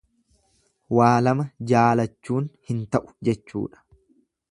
Waa lama jaalachuun hin ta'u jechuudha.